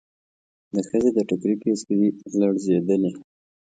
د ښځې د ټکري پيڅکې لړزېدلې.